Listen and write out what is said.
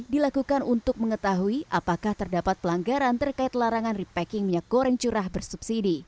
dilakukan untuk mengetahui apakah terdapat pelanggaran terkait larangan repacking minyak goreng curah bersubsidi